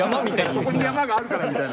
「そこに山があるから」みたいな。